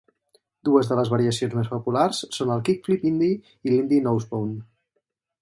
Dues de les variacions més populars són el kickflip Indy i l'Indy nosebone.